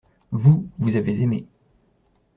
Vous, vous avez aimé.